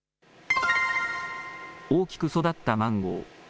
大きく育ったマンゴー。